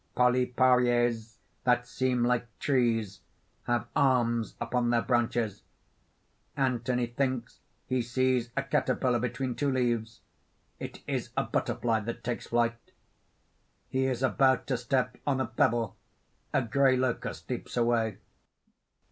Polyparies that seem like trees, have arms upon their branches. Anthony thinks he sees a caterpillar between two leaves: it is a butterfly that takes flight. He is about to step on a pebble: a grey locust leaps away.